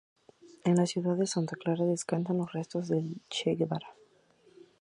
En la ciudad de Santa Clara descansan los restos del Che Guevara.